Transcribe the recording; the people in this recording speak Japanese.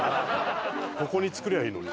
ここに作りゃいいのに。